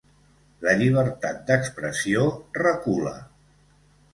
La llibertat d’expressió recula.